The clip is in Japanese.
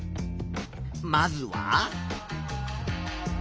まずは？